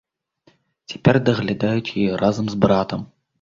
Цяпер даглядаюць яе разам з братам.